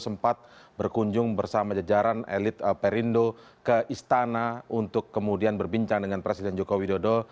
sempat berkunjung bersama jajaran elit perindo ke istana untuk kemudian berbincang dengan presiden joko widodo